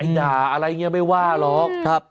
ไอ้หน่าอะไรเงี้ยไม่ว่าหรอก